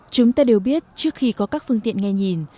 chúng ta đều biết trước khi có các phương tiện nghe nhìn